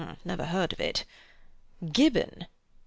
Never heard of it. Gibbon.